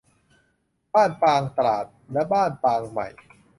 บ้านปางตราด และบ้านปางใหม่